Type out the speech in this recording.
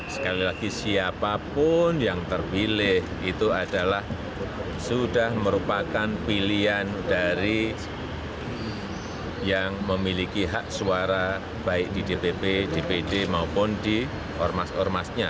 sekali lagi siapapun yang terpilih itu adalah sudah merupakan pilihan dari yang memiliki hak suara baik di dpp dpd maupun di ormas ormasnya